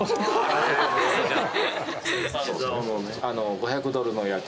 ５００ドルの夜景？